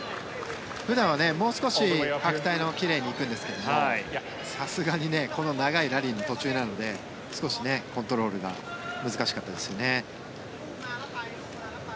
普段はもう少し白帯の上を奇麗に行くんですがさすがにこの長いラリーの途中なので少しコントロールが難しかったですよね。